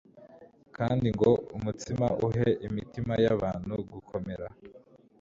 Kandi ngo umutsima uhe imitima yabantu gukomera